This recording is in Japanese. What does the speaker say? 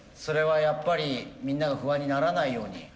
それはやっぱりみんなが不安にならないように。